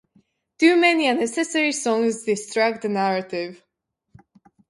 Too many unnecessary songs distract the narrative.